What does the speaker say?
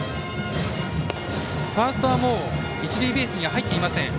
ファーストはもう一塁ベースに入っていません。